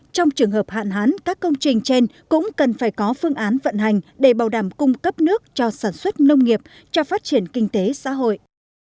trong trường hợp hạn hán các công trình trên cũng cần phải có phương án vận hành để bảo đảm cung cấp nước cho sản xuất nông nghiệp cho phát triển kinh tế xã hội